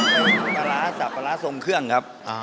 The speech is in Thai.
ปลาร้าสับปลาร้าทรงเครื่องครับ